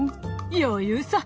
余裕さ！